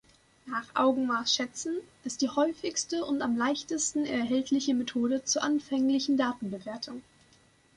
„Nach Augenmaß schätzen“ ist die häufigste und am leichtesten erhältliche Methode zur anfänglichen Datenbewertung.